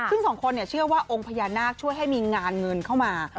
ซึ่งสองคนเชื่อว่าองค์พญานาคช่วยให้มีงานเงินเข้ามา